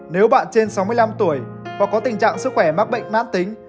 nếu bạn trên sáu mươi năm tuổi và có tình trạng sức khỏe mắc bệnh mãn tính